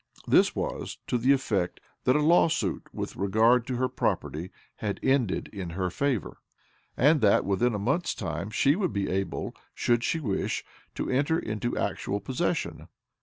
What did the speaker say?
This was to the effect that a lawsuit with regard to her property had ended ia her favour, and that within a month's time she would be able, should she wish, to enter into actual possession.